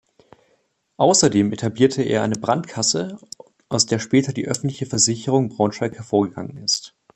Außerdem etablierte er eine Brandkasse, aus der später die Öffentliche Versicherung Braunschweig hervorgegangen ist.